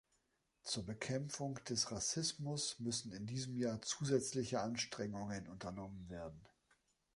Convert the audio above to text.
Zur Bekämpfung des Rassismus müssen in diesem Jahr zusätzliche Anstrengungen unternommen werden.